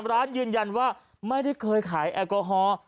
ร้านยืนยันว่าไม่ได้เคยขายแอลกอฮอล์